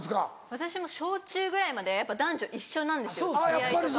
私も小・中ぐらいまではやっぱ男女一緒なんですよ試合とかも。